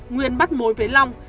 nguyên bắt mối với long